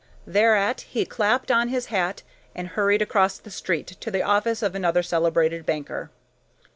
Thereat he clapped on his hat and hurried across the street to the office of another celebrated banker.